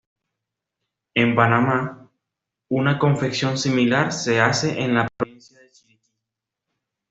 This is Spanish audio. En Panamá, una confección similar se hace en la provincia de Chiriquí.